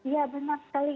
ya benar sekali itu